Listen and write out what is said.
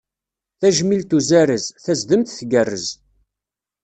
Tajmilt uzarez, tazdemt tgerrez.